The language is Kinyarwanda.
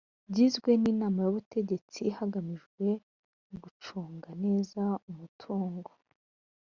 byizwe n’inama y’ubutegetsi hagamijwe gucunga neza umutungo